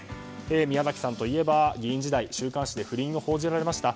宮崎さんといえば議員時代週刊誌で不倫を報じられました。